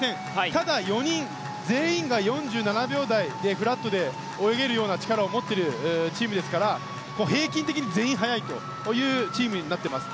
ただ、４人全員が４７秒台でフラットで泳げるような力を持ってるチームですから平均的に全員速いというチームになっています。